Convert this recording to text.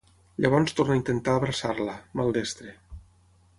Llavors torna a intentar abraçar-la, maldestre.